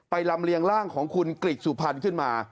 ไปลำเรียงร่างของคุณกริกสุภัณฑ์ขึ้นมา